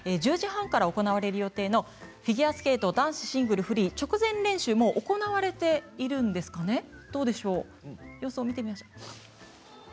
１０時半から行われる予定のフィギュアスケート男子シングル・フリー直前練習も行われているんですかね。